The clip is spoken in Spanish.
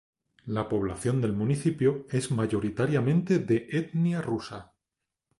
La población del municipio es mayoritariamente de etnia rusa.